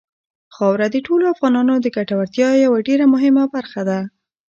خاوره د ټولو افغانانو د ګټورتیا یوه ډېره مهمه برخه ده.